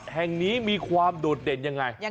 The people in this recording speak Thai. แห่งนี้มีความโดดเด่นยังไง